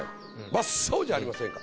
真っ青じゃありませんか。